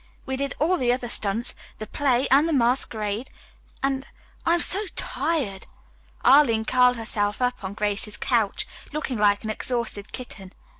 We did all the other stunts; the play and the masquerade, and I am so tired." Arline curled herself up on Grace's couch, looking like an exhausted kitten.